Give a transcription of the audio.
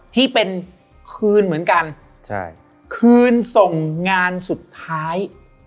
ที่เป็นคืนเหมือนกันใช่คืนส่งงานสุดท้าย